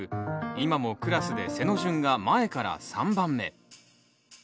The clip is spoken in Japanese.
今もクラスで背の順が前から３番目。